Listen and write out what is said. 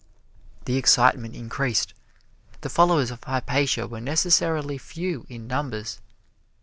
The excitement increased. The followers of Hypatia were necessarily few in numbers.